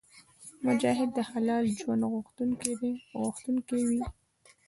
مجاهد د حلال ژوند غوښتونکی وي.